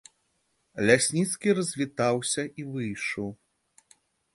Лясніцкі развітаўся і выйшаў.